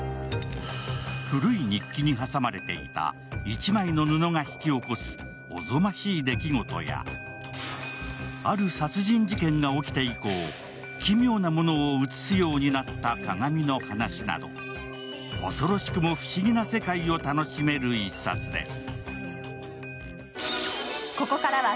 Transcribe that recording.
古い日記に挟まれていた１枚の布が引き起こすおぞましい出来事やある殺人事件が起きて以降、奇妙なものを映すようになった鏡の話など恐ろしくも不思議な世界を楽しめる１冊です。